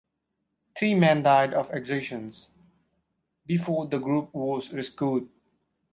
Three men died of exhaustion before the group was rescued.